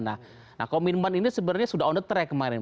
nah komitmen ini sebenarnya sudah on the track kemarin